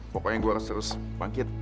pokoknya gue harus terus bangkit